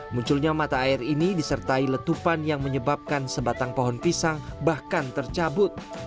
munculnya mata air ini disertai letupan yang menyebabkan sebatang pohon pisang bahkan tercabut